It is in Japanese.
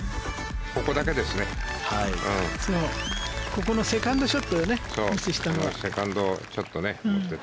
ここのセカンドショットよねミスしたのはセカンドをちょっとね。